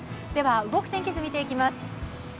動く天気図を見ていきます。